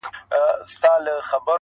دا حلال به لا تر څو پر موږ حرام وي,